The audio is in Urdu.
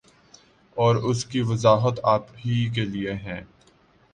اور اس کی وضاحت آپ ہی کیلئے ہیں